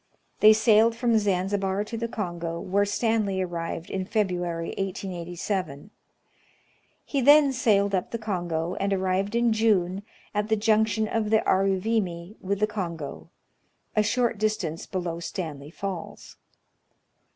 They sailed from Zanzibar to the Kongo, where Stanley arrived in February, 1887. He then sailed up the Kongo, and arrived in June at the junction of the Aruvimi with the Kongo, a shoi't distance below Stanley Falls.